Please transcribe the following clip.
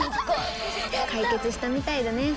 解決したみたいだね。